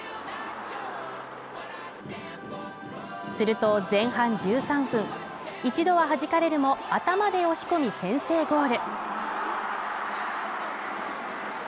すると前半１３分、一度ははじかれるも頭で押し込み先制ゴール。